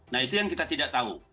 nah itu yang kita tidak tahu